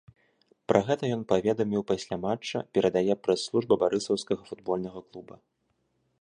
Пра гэта ён паведаміў пасля матча, перадае прэс-служба барысаўскага футбольнага клуба.